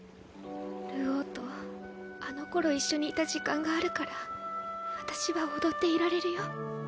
流鶯とあのころ一緒にいた時間があるから私は踊っていられるよ。